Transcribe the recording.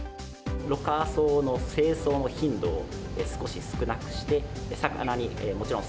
ろ過槽の清掃の頻度を少し少なくして、魚にもちろん、